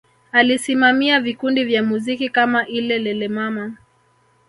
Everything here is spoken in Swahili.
Alisimamia vikundi vya muziki kama ile Lelemama